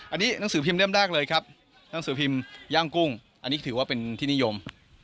อันนี้หนังสือพิมพ์เล่มแรกเลยครับหนังสือพิมพ์ย่างกุ้งอันนี้ถือว่าเป็นที่นิยม